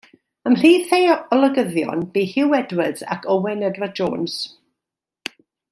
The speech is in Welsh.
Ymhlith ei olygyddion bu Hugh Edwards ac Owen Edward Jones.